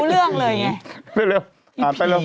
รู้เรื่องเลยไงเร็ว